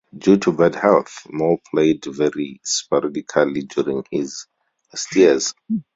Due to bad health, Mole played very sporadically during his last years.